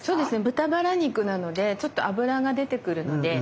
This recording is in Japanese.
豚バラ肉なのでちょっと油が出てくるので。